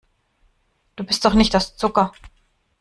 Du bist doch nicht aus Zucker.